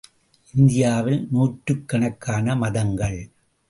இந்தியாவில் நூற்றுக் கணக்கான மதங்கள்!